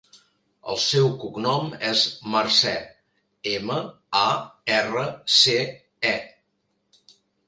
El seu cognom és Marce: ema, a, erra, ce, e.